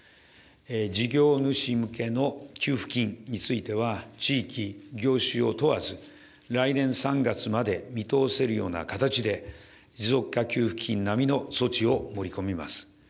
事業主向けの給付金については、地域、業種を問わず、来年３月まで見通せるような形で、持続化給付金並みの措置を盛り込みます。